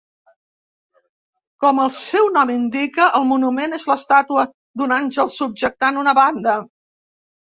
Com el seu nom indica, el monument és l'estàtua d'un àngel subjectant una banda.